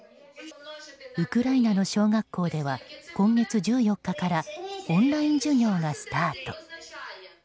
ウクライナの小学校では今月１４日からオンライン授業がスタート。